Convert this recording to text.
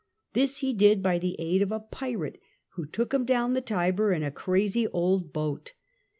This he did by the aid of a fyf 1431 pirate, who took him down the Tiber in a crazy old boat.